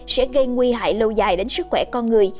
sẽ gây nguy hại lâu dài đến sức khỏe con người